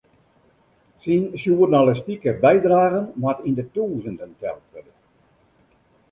Syn sjoernalistike bydragen moat yn de tûzenen teld wurde.